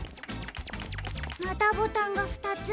またボタンがふたつ。